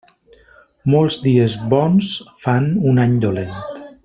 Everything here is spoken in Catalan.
Molts dies bons fan un any dolent.